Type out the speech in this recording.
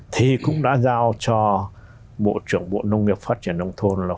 thì cũng đã giao cho bộ trưởng bộ nông nghiệp phát triển đông thôn là